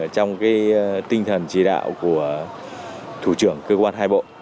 trong cái tinh thần chỉ đạo của thủ trưởng cơ quan hai